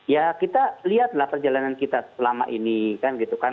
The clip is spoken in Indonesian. ya kita lihatlah perjalanan kita selama ini kan gitu kan